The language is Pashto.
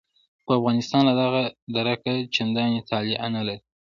خو افغانستان له دغه درکه چندانې طالع نه لري.